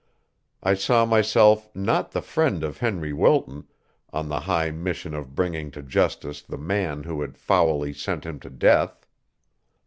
I saw myself not the friend of Henry Wilton, on the high mission of bringing to justice the man who had foully sent him to death.